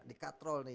bisa dikatrol nih